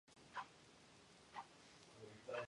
"Lussatite" is a synonym.